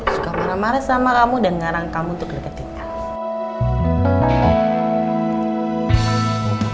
suka marah marah sama kamu dan ngarang kamu untuk deketin kamu